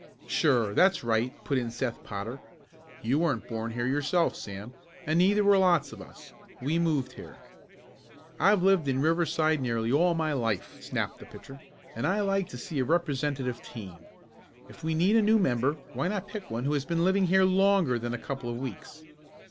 "Sure, that's right!" put in Seth Potter. "You weren't born here yourself, Sam, and neither were lots of us. We moved here." "I've lived in Riverside nearly all my life," snapped the pitcher, "and I like to see a representative team. If we need a new member why not pick one who has been living here longer than a couple of weeks?"